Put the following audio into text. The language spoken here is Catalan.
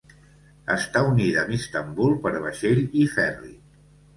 Està unida amb Istanbul per vaixell i ferri.